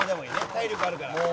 体力あるから」